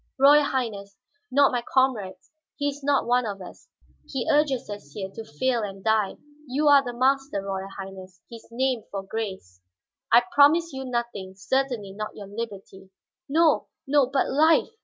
"Royal Highness, not my comrades. But he is not of us; he urges us here to fail and die. You are the master; Royal Highness, his name for grace." "I promise you nothing. Certainly not your liberty." "No, no, but life!"